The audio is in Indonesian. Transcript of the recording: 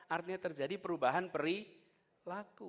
artinya terjadi perubahan yang berlaku